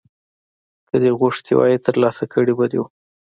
که دې غوښتي وای ترلاسه کړي به دې وو.